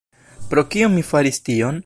Pro kio mi faris tion?